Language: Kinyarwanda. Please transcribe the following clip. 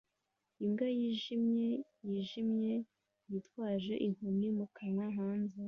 Imbwa yijimye yijimye yitwaje inkoni mu kanwa hanze